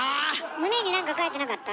胸に何か書いてなかった？